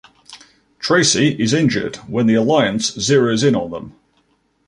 Tracey is injured when the Alliance zeroes in on them.